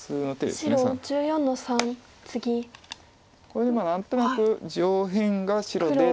これで何となく上辺が白で。